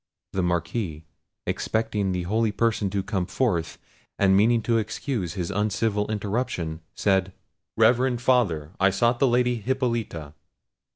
The Marquis, expecting the holy person to come forth, and meaning to excuse his uncivil interruption, said, "Reverend Father, I sought the Lady Hippolita."